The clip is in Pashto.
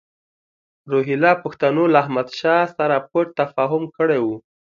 روهیله پښتنو له احمدشاه سره پټ تفاهم کړی وو.